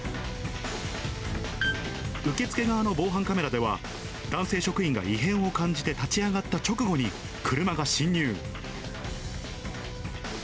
受付側の防犯カメラでは、男性職員が異変を感じて立ち上がった直後に、車が進入。